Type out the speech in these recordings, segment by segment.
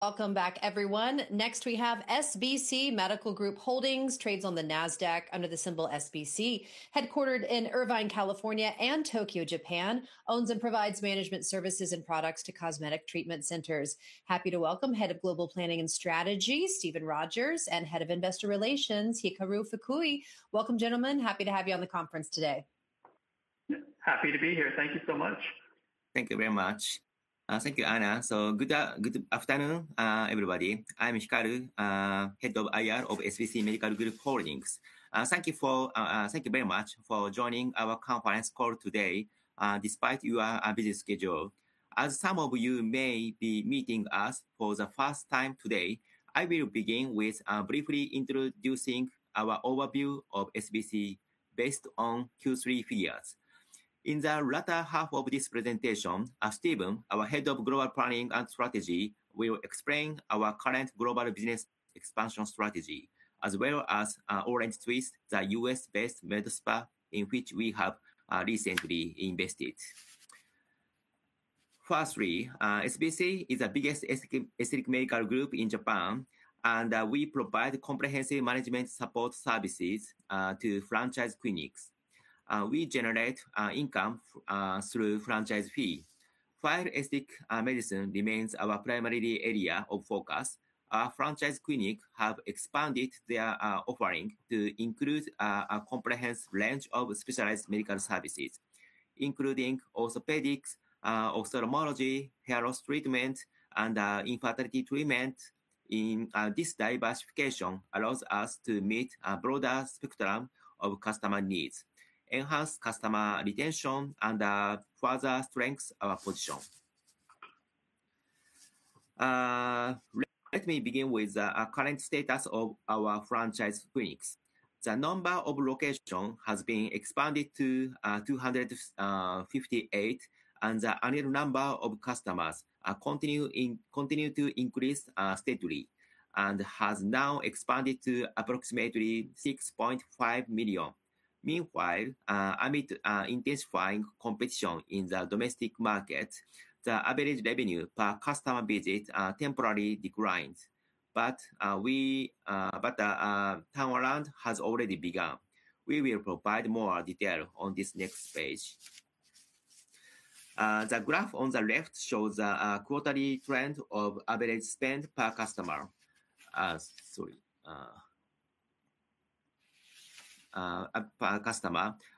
Welcome back, everyone. Next, we have SBC Medical Group Holdings, trades on the Nasdaq under the symbol SBC, headquartered in Irvine, California, and Tokyo, Japan. Owns and provides management services and products to cosmetic treatment centers. Happy to welcome Head of Global Planning and Strategy, Stephen Rogers, and Head of Investor Relations, Hikaru Fukui. Welcome, gentlemen. Happy to have you on the conference today. Happy to be here. Thank you so much. Thank you very much. Thank you, Ana. Good afternoon, everybody. I'm Hikaru, Head of IR of SBC Medical Group Holdings. Thank you very much for joining our conference call today, despite your busy schedule. As some of you may be meeting us for the first time today, I will begin with briefly introducing our overview of SBC based on Q3 figures. In the latter half of this presentation, Stephen, our Head of Global Planning and Strategy, will explain our current global business expansion strategy, as well as Orange Twist, the US-based med spa in which we have recently invested. Firstly, SBC is the biggest aesthetic medical group in Japan, and we provide comprehensive management support services to franchise clinics. We generate income through franchise fees. While aesthetic medicine remains our primary area of focus, our franchise clinics have expanded their offering to include a comprehensive range of specialized medical services, including orthopedics, ophthalmology, hair loss treatment, and infertility treatment. This diversification allows us to meet a broader spectrum of customer needs, enhance customer retention, and further strengthen our position. Let me begin with the current status of our franchise clinics. The number of locations has been expanded to 258, and the annual number of customers continues to increase steadily and has now expanded to approximately 6.5 million. Meanwhile, amid intensifying competition in the domestic market, the average revenue per customer visit temporarily declined, but the turnaround has already begun. We will provide more detail on this next page. The graph on the left shows the quarterly trend of average spend per customer.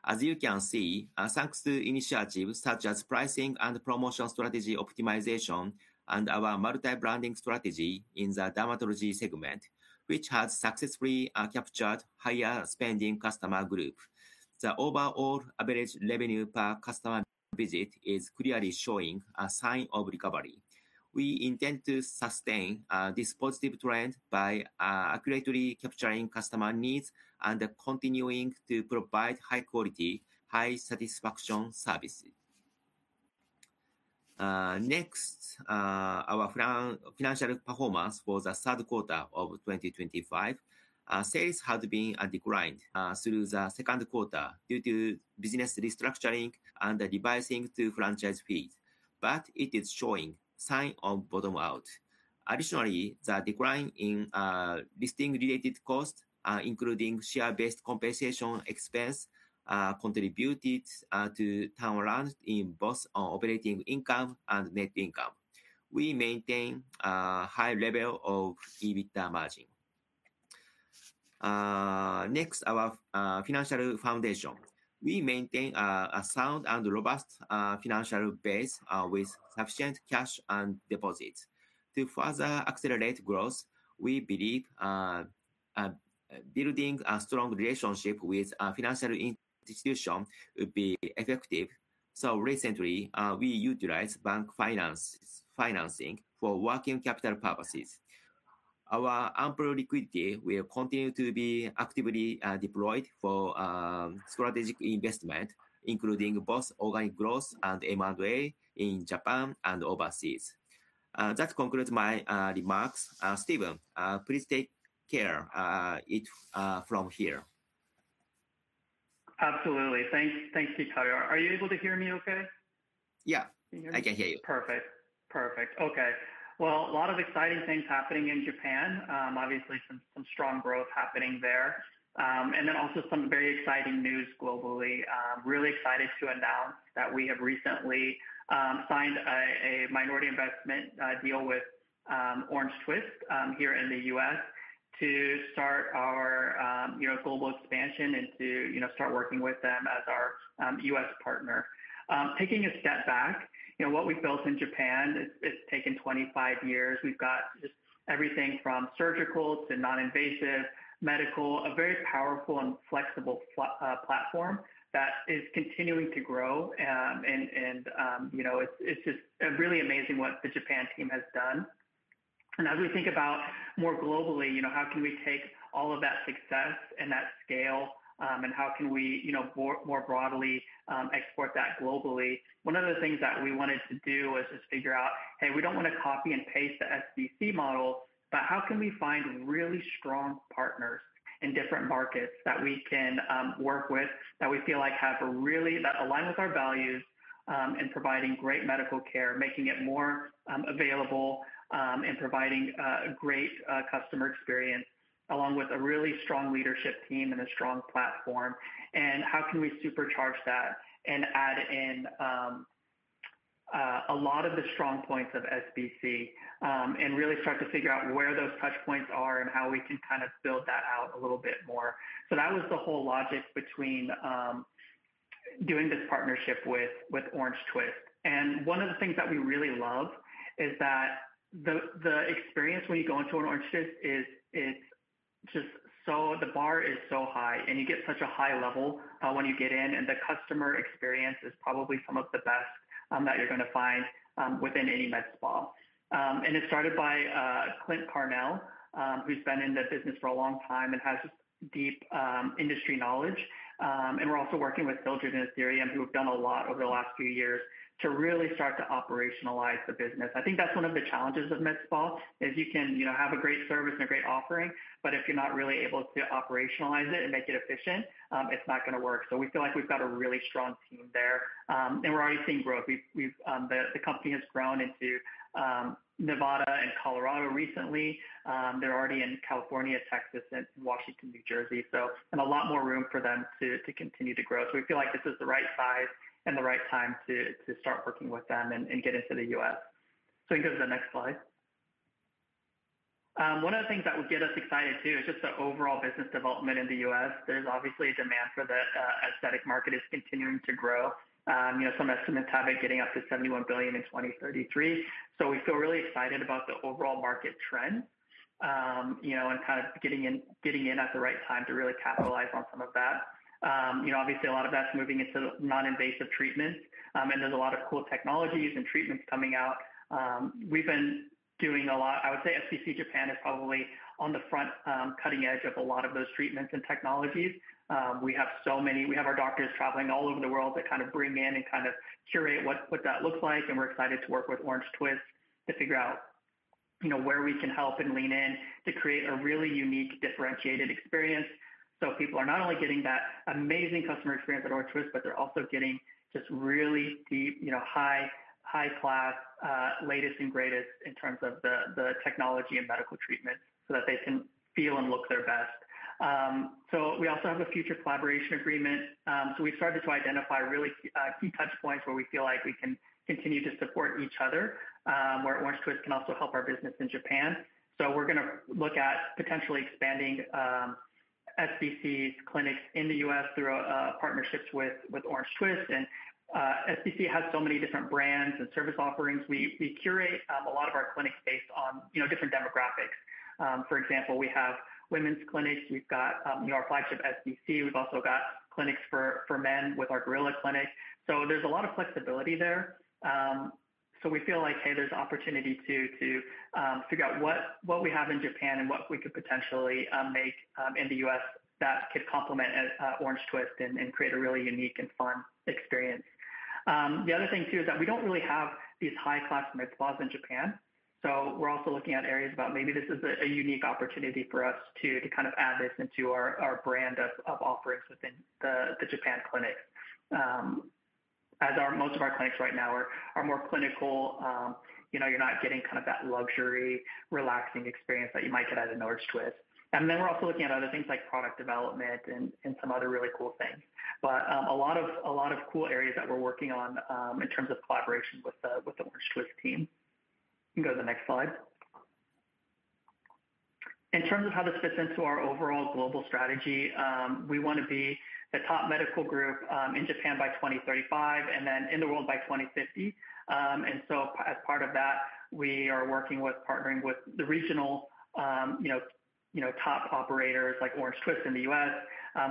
As you can see, thanks to initiatives such as pricing and promotion strategy optimization and our multi-branding strategy in the dermatology segment, which has successfully captured a higher spending customer group, the overall average revenue per customer visit is clearly showing a sign of recovery. We intend to sustain this positive trend by accurately capturing customer needs and continuing to provide high-quality, high-satisfaction services. Next, our financial performance for the third quarter of 2025. Sales had been declined through the second quarter due to business restructuring and revising to franchise fees, but it is showing signs of bottom out. Additionally, the decline in listing-related costs, including share-based compensation expense, contributed to turnaround in both operating income and net income. We maintain a high level of EBITDA margin. Next, our financial foundation. We maintain a sound and robust financial base with sufficient cash and deposits. To further accelerate growth, we believe building a strong relationship with a financial institution would be effective. So recently, we utilized bank financing for working capital purposes. Our ample liquidity will continue to be actively deployed for strategic investment, including both organic growth and M&A in Japan and overseas. That concludes my remarks. Stephen, please take care from here. Absolutely. Thanks, Hikaru. Are you able to hear me okay? Yeah, I can hear you. Perfect. Perfect. Okay. Well, a lot of exciting things happening in Japan, obviously some strong growth happening there, and then also some very exciting news globally. Really excited to announce that we have recently signed a minority investment deal with Orange Twist here in the U.S. to start our global expansion and to start working with them as our U.S. partner. Taking a step back, what we've built in Japan, it's taken 25 years. We've got just everything from surgical to non-invasive, medical, a very powerful and flexible platform that is continuing to grow. It's just really amazing what the Japan team has done. As we think about more globally, how can we take all of that success and that scale, and how can we more broadly export that globally? One of the things that we wanted to do was just figure out, hey, we don't want to copy and paste the SBC model, but how can we find really strong partners in different markets that we can work with, that we feel like have really aligned with our values in providing great medical care, making it more available and providing a great customer experience along with a really strong leadership team and a strong platform. How can we supercharge that and add in a lot of the strong points of SBC and really start to figure out where those touch points are and how we can kind of build that out a little bit more. That was the whole logic between doing this partnership with Orange Twist. And one of the things that we really love is that the experience when you go into an Orange Twist is just so the bar is so high, and you get such a high level when you get in, and the customer experience is probably some of the best that you're going to find within any med spa. And it's started by Clint Carnell, who's been in the business for a long time and has deep industry knowledge. And we're also working with Phil Jordan at Orange Twist, who have done a lot over the last few years to really start to operationalize the business. I think that's one of the challenges of med spa is you can have a great service and a great offering, but if you're not really able to operationalize it and make it efficient, it's not going to work. So we feel like we've got a really strong team there, and we're already seeing growth. The company has grown into Nevada and Colorado recently. They're already in California, Texas, and Washington, New Jersey, so a lot more room for them to continue to grow. So we feel like this is the right size and the right time to start working with them and get into the US, so you can go to the next slide. One of the things that would get us excited too is just the overall business development in the US. There's obviously a demand for the aesthetic market. It is continuing to grow. Some estimates have it getting up to $71 billion in 2033, so we feel really excited about the overall market trend and kind of getting in at the right time to really capitalize on some of that. Obviously, a lot of that's moving into non-invasive treatments, and there's a lot of cool technologies and treatments coming out. We've been doing a lot. I would say SBC Japan is probably on the front cutting edge of a lot of those treatments and technologies. We have so many. We have our doctors traveling all over the world that kind of bring in and kind of curate what that looks like, and we're excited to work with Orange Twist to figure out where we can help and lean in to create a really unique, differentiated experience, so people are not only getting that amazing customer experience at Orange Twist, but they're also getting just really deep, high-class, latest and greatest in terms of the technology and medical treatments so that they can feel and look their best, so we also have a future collaboration agreement. We've started to identify really key touch points where we feel like we can continue to support each other, where Orange Twist can also help our business in Japan. We're going to look at potentially expanding SBC's clinics in the U.S. through partnerships with Orange Twist. SBC has so many different brands and service offerings. We curate a lot of our clinics based on different demographics. For example, we have women's clinics. We've got our flagship SBC. We've also got clinics for men with our Gorilla Clinic. There's a lot of flexibility there. We feel like, hey, there's opportunity to figure out what we have in Japan and what we could potentially make in the U.S. that could complement Orange Twist and create a really unique and fun experience. The other thing too is that we don't really have these high-class med spas in Japan. So we're also looking at areas about maybe this is a unique opportunity for us to kind of add this into our brand of offerings within the Japan clinics, as most of our clinics right now are more clinical. You're not getting kind of that luxury, relaxing experience that you might get at an Orange Twist. And then we're also looking at other things like product development and some other really cool things. But a lot of cool areas that we're working on in terms of collaboration with the Orange Twist team. You can go to the next slide. In terms of how this fits into our overall global strategy, we want to be the top medical group in Japan by 2035 and then in the world by 2050. And so as part of that, we are working with the regional top operators like Orange Twist in the U.S.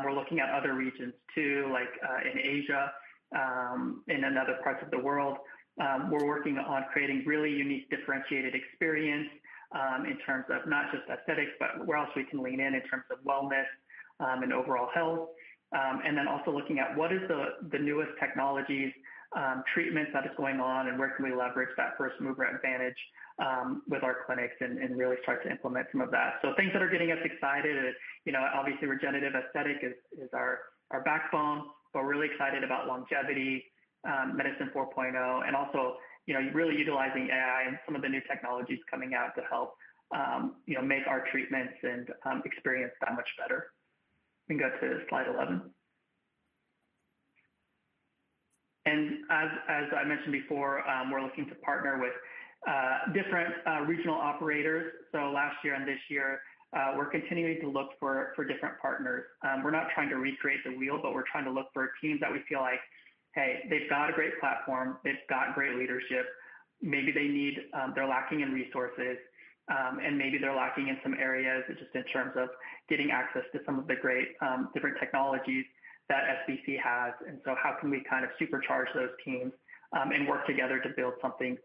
We're looking at other regions too, like in Asia and in other parts of the world. We're working on creating really unique, differentiated experience in terms of not just aesthetics, but where else we can lean in in terms of wellness and overall health. And then also looking at what is the newest technologies, treatments that are going on, and where can we leverage that first-mover advantage with our clinics and really start to implement some of that. So things that are getting us excited. Obviously, regenerative aesthetic is our backbone, but we're really excited about Longevity Medicine 4.0, and also really utilizing AI and some of the new technologies coming out to help make our treatments and experience that much better. You can go to slide 11. And as I mentioned before, we're looking to partner with different regional operators. So last year and this year, we're continuing to look for different partners. We're not trying to reinvent the wheel, but we're trying to look for a team that we feel like, hey, they've got a great platform, they've got great leadership, maybe they're lacking in resources, and maybe they're lacking in some areas just in terms of getting access to some of the great different technologies that SBC has. And so how can we kind of supercharge those teams and work together to build something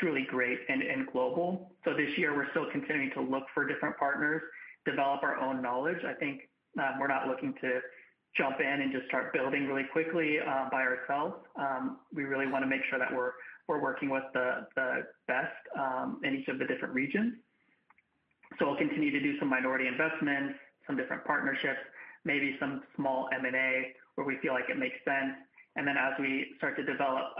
truly great and global? So this year, we're still continuing to look for different partners, develop our own knowledge. I think we're not looking to jump in and just start building really quickly by ourselves. We really want to make sure that we're working with the best in each of the different regions, so we'll continue to do some minority investments, some different partnerships, maybe some small M&A where we feel like it makes sense, and then as we start to develop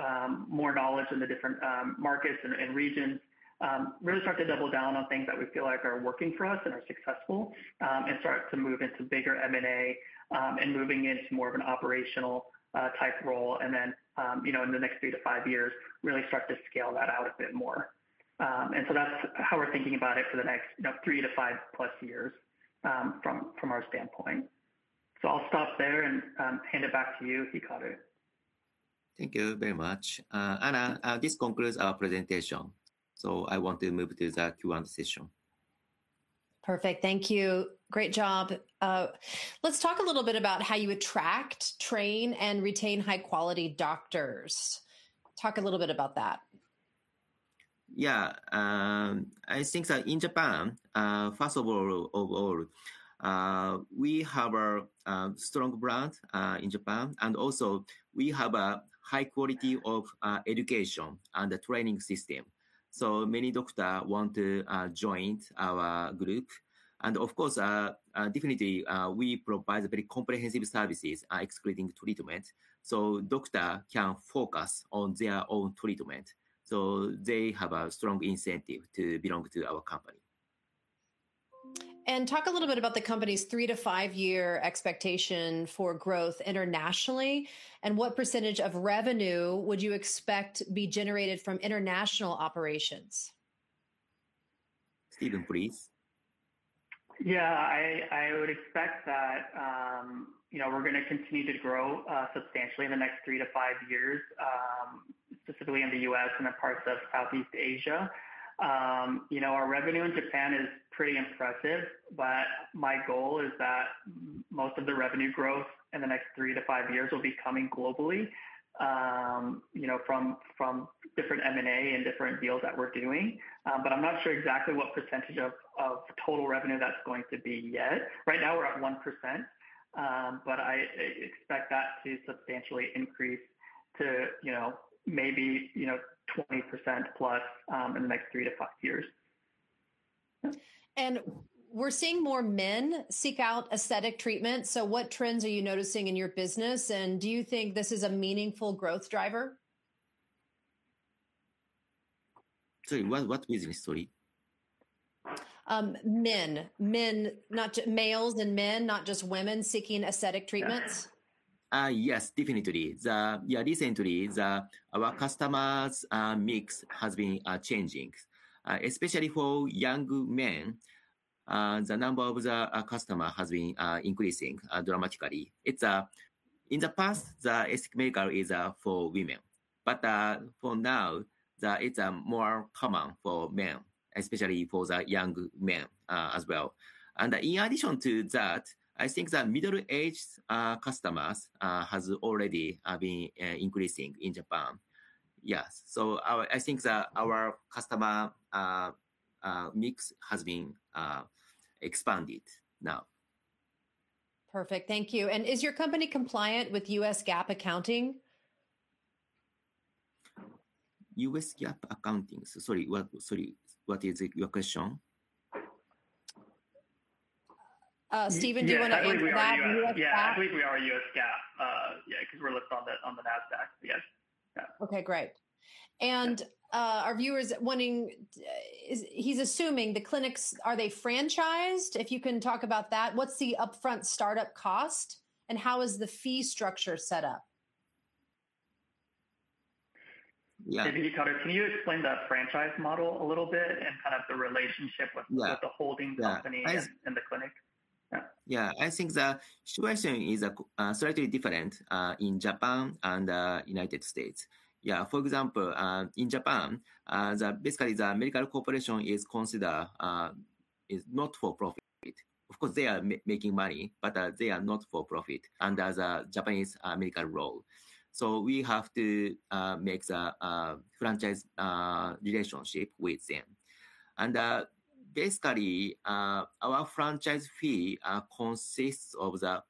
more knowledge in the different markets and regions, really start to double down on things that we feel like are working for us and are successful and start to move into bigger M&A and moving into more of an operational-type role, and then in the next three to five years, really start to scale that out a bit more, and so that's how we're thinking about it for the next three to five plus years from our standpoint, so I'll stop there and hand it back to you, Hikaru. Thank you very much. Ana, this concludes our presentation. So I want to move to the Q&A session. Perfect. Thank you. Great job. Let's talk a little bit about how you attract, train, and retain high-quality doctors. Talk a little bit about that. Yeah. I think that in Japan, first of all, overall, we have a strong brand in Japan, and also we have a high quality of education and a training system. So many doctors want to join our group. And of course, definitely, we provide very comprehensive services, excluding treatment, so doctors can focus on their own treatment. So they have a strong incentive to belong to our company. Talk a little bit about the company's three-to-five-year expectation for growth internationally and what percentage of revenue would you expect be generated from international operations? Stephen, please. Yeah. I would expect that we're going to continue to grow substantially in the next three to five years, specifically in the U.S. and in parts of Southeast Asia. Our revenue in Japan is pretty impressive, but my goal is that most of the revenue growth in the next three to five years will be coming globally from different M&A and different deals that we're doing. But I'm not sure exactly what percentage of total revenue that's going to be yet. Right now, we're at 1%, but I expect that to substantially increase to maybe 20% plus in the next three to five years. And we're seeing more men seek out aesthetic treatment. So what trends are you noticing in your business? And do you think this is a meaningful growth driver? Sorry, what business? Sorry? Men. Males and men, not just women seeking aesthetic treatments. Yes, definitely. Yeah, recently, our customer mix has been changing, especially for young men. The number of the customers has been increasing dramatically. In the past, the aesthetic medicine is for women, but for now, it's more common for men, especially for the young men as well. And in addition to that, I think that middle-aged customers have already been increasing in Japan. Yes. So I think that our customer mix has been expanded now. Perfect. Thank you. And is your company compliant with US GAAP accounting? U.S. GAAP accounting. Sorry, what is your question? Stephen, do you want to answer that? Yeah, I think we are U.S. GAAP. Yeah, because we're listed on the NASDAQ, yes. Okay, great. And our viewer is wanting. He's assuming the clinics, are they franchised? If you can talk about that. What's the upfront startup cost? And how is the fee structure set up? Can you explain that franchise model a little bit and kind of the relationship with the holding company and the clinic? Yeah. I think that situation is slightly different in Japan and the United States. Yeah. For example, in Japan, basically, the medical corporation is not for profit. Of course, they are making money, but they are not for profit. Under the Japanese medical law. So we have to make the franchise relationship with them. And basically, our franchise fee consists of the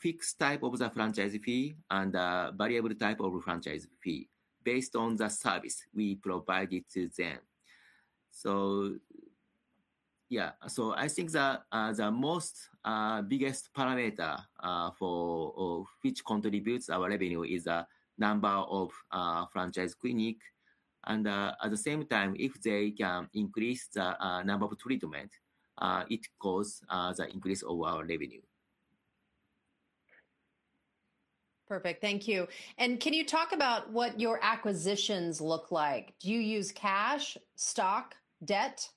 fixed type of the franchise fee and the variable type of franchise fee based on the service we provide to them. So yeah. So I think that the most biggest parameter for which contributes our revenue is the number of franchise clinics. And at the same time, if they can increase the number of treatments, it causes the increase of our revenue. Perfect. Thank you. And can you talk about what your acquisitions look like? Do you use cash, stock, debt?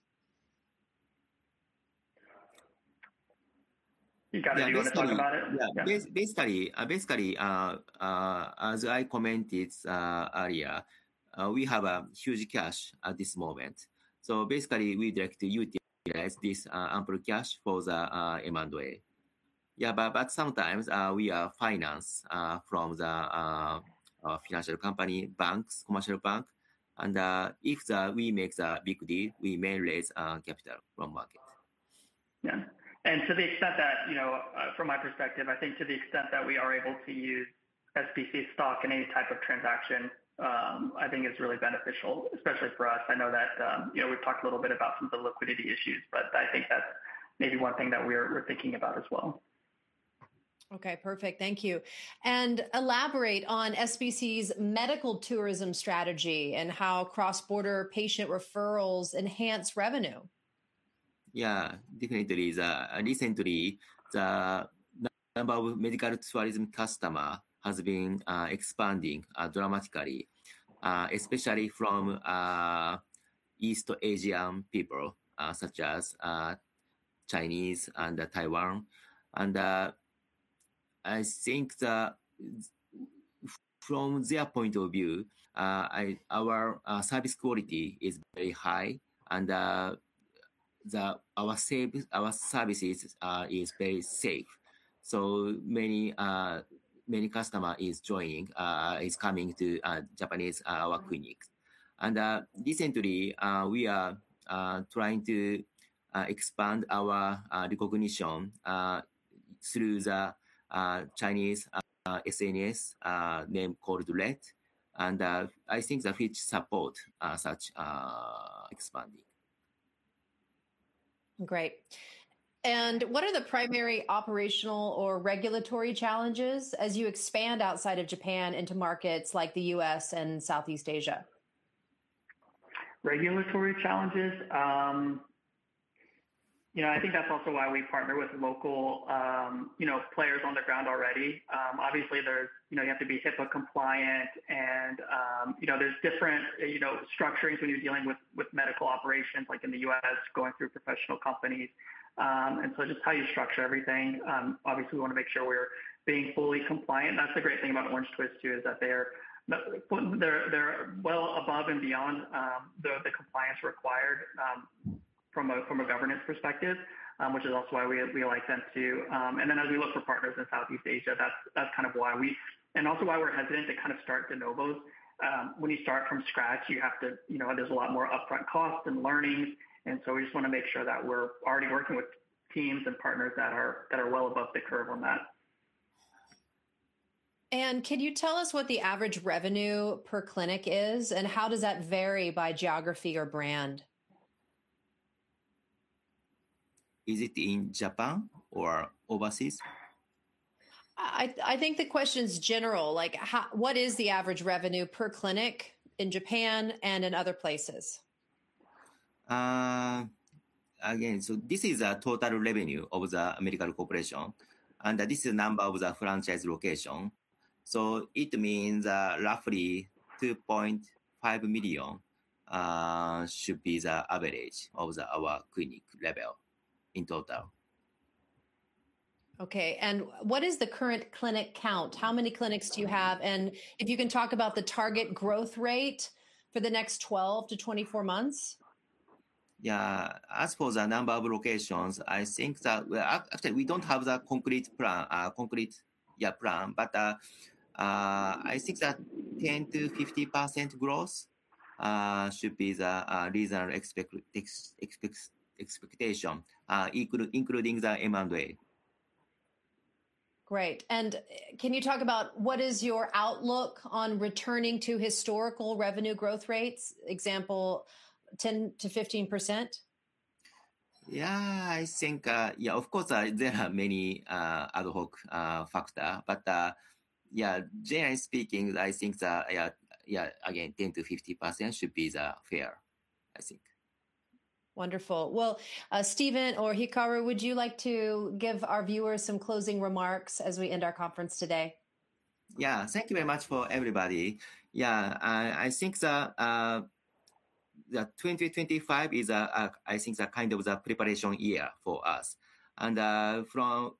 Hikaru, do you want to talk about it? Basically, as I commented earlier, we have huge cash at this moment. So basically, we directly utilize this ample cash for the M&A. Yeah, but sometimes we are financed from the financial company, banks, commercial bank. And if we make a big deal, we may raise capital from market. Yeah. And to the extent that from my perspective, I think to the extent that we are able to use SBC stock in any type of transaction, I think it's really beneficial, especially for us. I know that we've talked a little bit about some of the liquidity issues, but I think that's maybe one thing that we're thinking about as well. Okay, perfect. Thank you. And elaborate on SBC's medical tourism strategy and how cross-border patient referrals enhance revenue? Yeah, definitely. Recently, the number of medical tourism customers has been expanding dramatically, especially from East Asian people such as Chinese and Taiwanese. And I think from their point of view, our service quality is very high, and our service is very safe. So many customers are coming to Japanese clinics. And recently, we are trying to expand our recognition through the Chinese SNS name called RED (Xiaohongshu), and I think that we support such expanding. Great. And what are the primary operational or regulatory challenges as you expand outside of Japan into markets like the U.S. and Southeast Asia? Regulatory challenges. I think that's also why we partner with local players on the ground already. Obviously, you have to be HIPAA compliant, and there's different structuring when you're dealing with medical operations like in the U.S., going through professional companies. And so just how you structure everything. Obviously, we want to make sure we're being fully compliant. That's the great thing about Orange Twist too is that they're well above and beyond the compliance required from a governance perspective, which is also why we like them too. And then as we look for partners in Southeast Asia, that's kind of why we and also why we're hesitant to kind of start de novo. When you start from scratch, there's a lot more upfront costs and learnings. And so we just want to make sure that we're already working with teams and partners that are well above the curve on that. Can you tell us what the average revenue per clinic is, and how does that vary by geography or brand? Is it in Japan or overseas? I think the question's general. What is the average revenue per clinic in Japan and in other places? Again, so this is the total revenue of the medical corporation, and this is the number of the franchise location, so it means roughly 2.5 million should be the average of our clinic level in total. Okay. And what is the current clinic count? How many clinics do you have? And if you can talk about the target growth rate for the next 12-24 months? Yeah. As for the number of locations, I think that actually, we don't have the concrete plan, but I think that 10%-50% growth should be the reasonable expectation, including the M&A. Great. And can you talk about what is your outlook on returning to historical revenue growth rates, example, 10%-15%? Yeah. I think, yeah, of course, there are many ad hoc factors, but yeah, generally speaking, I think that, yeah, again, 10%-50% should be fair, I think. Wonderful. Well, Stephen or Hikaru, would you like to give our viewers some closing remarks as we end our conference today? Yeah. Thank you very much for everybody. Yeah. I think that 2025 is, I think, kind of the preparation year for us. And for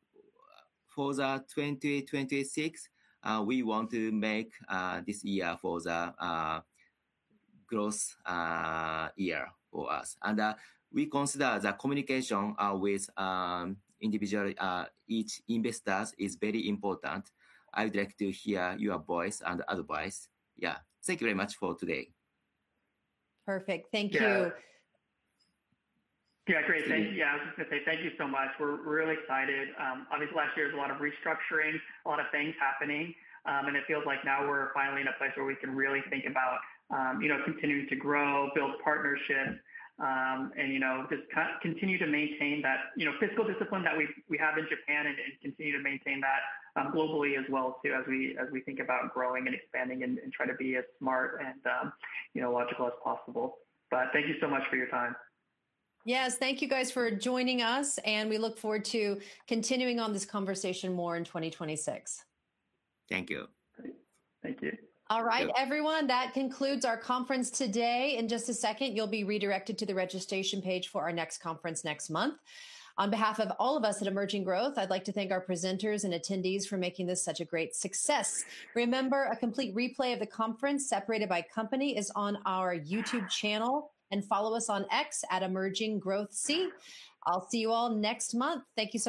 the 2026, we want to make this year for the growth year for us. And we consider the communication with each investor is very important. I would like to hear your voice and advice. Yeah. Thank you very much for today. Perfect. Thank you. Yeah. Great. Yeah. I was just going to say thank you so much. We're really excited. Obviously, last year was a lot of restructuring, a lot of things happening. And it feels like now we're finally in a place where we can really think about continuing to grow, build partnerships, and just continue to maintain that fiscal discipline that we have in Japan and continue to maintain that globally as well too as we think about growing and expanding and try to be as smart and logical as possible. But thank you so much for your time. Yes. Thank you guys for joining us, and we look forward to continuing on this conversation more in 2026. Thank you. Thank you. All right, everyone. That concludes our conference today. In just a second, you'll be redirected to the registration page for our next conference next month. On behalf of all of us at Emerging Growth, I'd like to thank our presenters and attendees for making this such a great success. Remember, a complete replay of the conference separated by company is on our YouTube channel, and follow us on X @EmergingGrowthC. I'll see you all next month. Thank you.